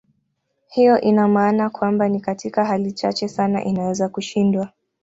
Hiyo ina maana kwamba ni katika hali chache sana inaweza kushindwa.